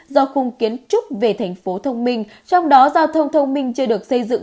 do khung kiến trúc về thành phố thông minh trong đó giao thông thông minh chưa được xây dựng